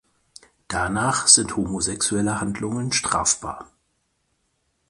Danach sind homosexuelle Handlungen strafbar.